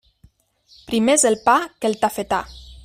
Primer és el pa que el tafetà.